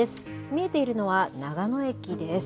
見えているのは長野駅です。